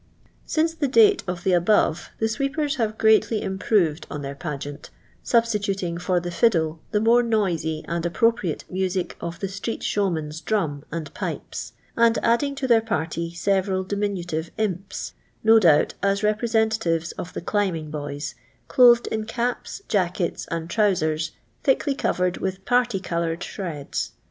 Smce the date of the above^ the sweepers have greatly improved on their pageant^ substi tuting for the fiddle the more noisy and appro priate music of the stree^show^lan's drum and pipes, and adding to their party several diminu tive imps, no doubt as representatives of the climbing boys, clothed in caps, jackets, and trowsers, thickly covered with party coloured shreds.